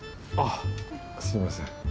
あっすみません。